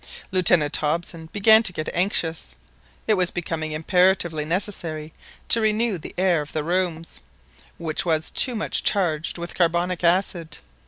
Lieutenant Hobson began to get anxious. It was becoming imperatively necessary to renew the air of the rooms, which was too much charged with carbonic acid.